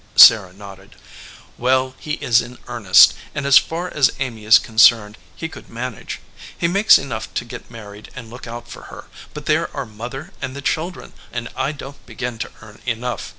Sarah nodded. "Well, he is in earnest, and as far as Amy is concerned he could manage. He makes enough to get married and look out for her; but there are Mother and the children, and I don t begin to earn enough.